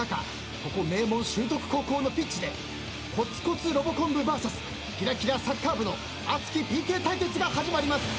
ここ名門修徳高校のピッチでコツコツロボコン部ＶＳきらきらサッカー部の熱きＰＫ対決が始まります。